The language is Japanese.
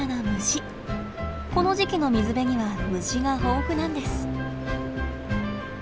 この時期の水辺には虫が豊富なんです。